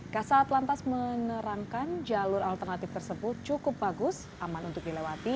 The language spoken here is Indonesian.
kasat lantas menerangkan jalur alternatif tersebut cukup bagus aman untuk dilewati